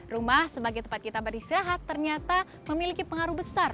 rumah sebagai tempat kita beristirahat ternyata memiliki pengaruh besar